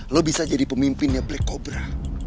lo bisa jadi pemimpinnya black cobra